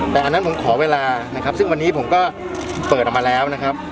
แต่อันนั้นผมขอเวลานะครับซึ่งวันนี้ผมก็เปิดออกมาแล้วนะครับ